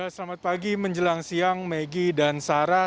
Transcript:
selamat pagi menjelang siang maggie dan sarah